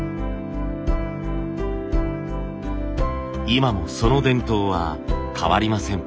今もその伝統は変わりません。